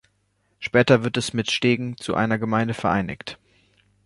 Später wird es mit Stegen zu einer Gemeinde vereinigt.